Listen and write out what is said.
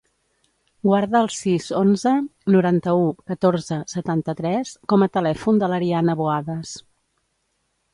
Guarda el sis, onze, noranta-u, catorze, setanta-tres com a telèfon de l'Ariana Buades.